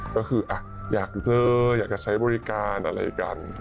ก็คืออยากเจออยากจะใช้บริการอะไรกัน